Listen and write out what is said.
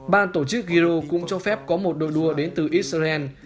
ban tổ chức hiro cũng cho phép có một đội đua đến từ israel